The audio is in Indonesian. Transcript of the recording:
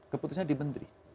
keputusannya di menteri